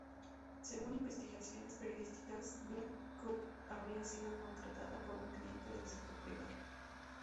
Según investigaciones periodísticas, Black Cube habría sido contactada por un cliente del sector privado.